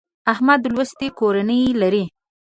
احمد لوستې کورنۍ لري.